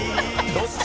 「どっち？